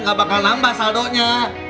gak bakal nambah saldonya